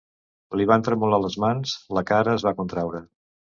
Li van tremolar les mans, la cara es va contraure.